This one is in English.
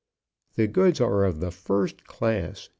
The goods are of the first class.